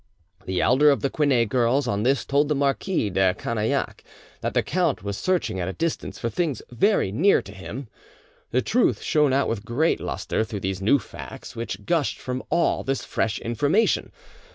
The elder of the Quinet girls on this told the Marquis de Canillac that the count was searching at a distance for things very near him. The truth shone out with great lustre through these new facts which gushed from all this fresh information.